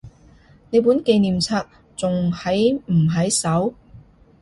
你本紀念冊仲喺唔喺手？